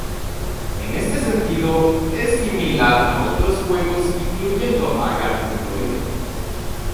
En este sentido, es similar a otros juegos, incluyendo Agar.io